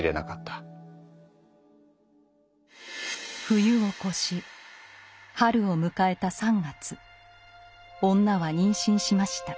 冬を越し春を迎えた３月女は妊娠しました。